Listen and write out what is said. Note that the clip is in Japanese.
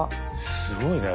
すごいね。